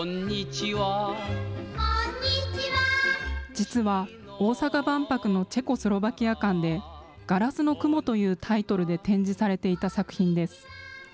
実は大阪万博のチェコスロバキア館で、ガラスの雲というタイトルで展示されていた作品です。